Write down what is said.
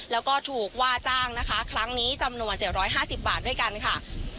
แล้วก็ถูกว่าจ้างนะคะครั้งนี้จำนวน๗๕๐บาทด้วยกันค่ะ